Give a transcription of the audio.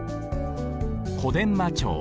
「小伝馬町」。